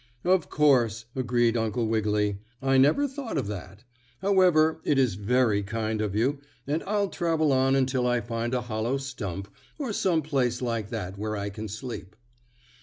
"Of course," agreed Uncle Wiggily, "I never thought of that. However, it is very kind of you, and I'll travel on until I find a hollow stump, or some place like that where I can sleep."